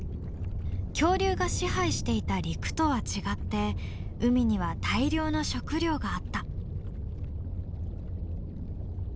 恐竜が支配していた陸とは違って海には大量の食糧があった。